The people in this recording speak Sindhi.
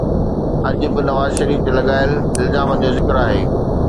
اڄ به نواز شريف تي لڳايل الزامن جو ذڪر آهي.